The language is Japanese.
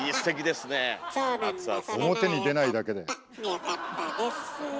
よかったです。